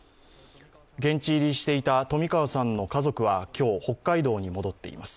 現地入りしていた冨川さんの家族は今日、北海道に戻っています。